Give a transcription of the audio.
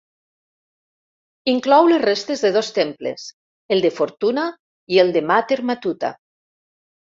Inclou les restes de dos temples: el de Fortuna i el de Mater Matuta.